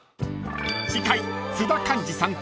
［次回］